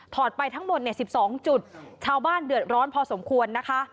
ไปทั้งหมด๑๒จุดชาวบ้านเดือดร้อนพอสมควรนะคะ